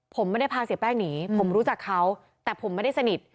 ผมไม่ได้พาเสียแป้งหนีผมรู้จักเขาแต่ผมไม่ได้สนิท